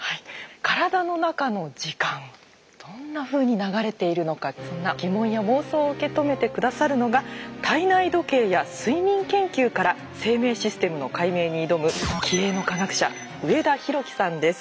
体の中の時間どんなふうに流れているのかそんな疑問や妄想を受け止めて下さるのが体内時計や睡眠研究から生命システムの解明に挑む気鋭の科学者上田泰己さんです。